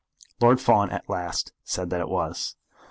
Lord Fawn at last said that it was.